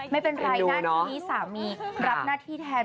ไม่เป็นไรหน้าที่นี้สามีรับหน้าที่แทน